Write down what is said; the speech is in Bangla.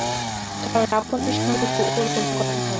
কারণ আপনার সঙ্গে তো ওর কোনো কথা হয় নি।